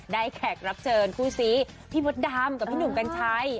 แขกรับเชิญคู่ซีพี่มดดำกับพี่หนุ่มกัญชัย